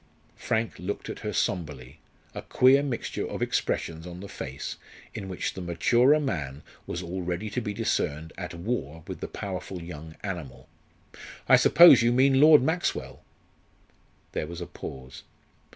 Frank looked at her sombrely a queer mixture of expressions on the face, in which the maturer man was already to be discerned at war with the powerful young animal. "I suppose you mean Lord Maxwell?" There was a pause.